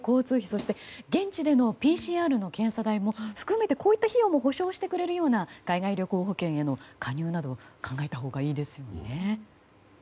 そして現地でのＰＣＲ検査代も含めてこういった費用も補償してくれるような海外旅行保険への加入などを考えたほうがいいですね。